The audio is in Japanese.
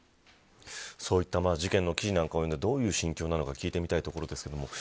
そういった事件の記事を読んでどういう心境なのか聞いてみたいところですけど。